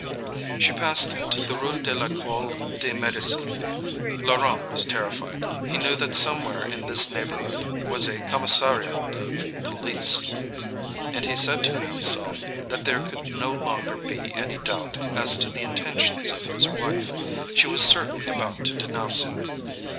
She passed into the Rue de l'École de Médecine. Laurent was terrified. He knew that somewhere in this neighbourhood, was a Commissariat of Police, and he said to himself that there could no longer be any doubt as to the intentions of his wife, she was certainly about to denounce him.